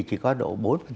nó có độ bốn